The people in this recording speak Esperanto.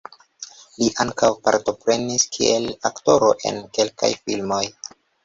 Li ankaŭ partoprenis kiel aktoro en kelkaj filmoj.